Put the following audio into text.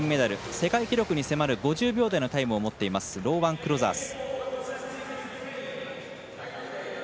世界記録に迫る５０秒台のタイムを持っていますローワン・クロザース。